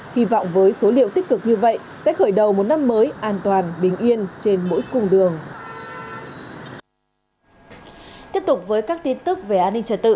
hy vọng với số liệu tích cực như vậy sẽ khởi đầu một năm mới an toàn bình yên